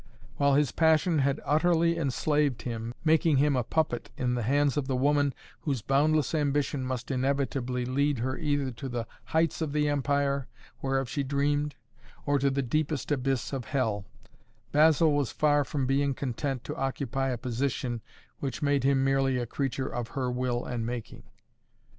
While his passion had utterly enslaved him, making him a puppet in the hands of the woman whose boundless ambition must inevitably lead her either to the heights of the empire whereof she dreamed, or to the deepest abyss of hell, Basil was far from being content to occupy a position which made him merely a creature of her will and making.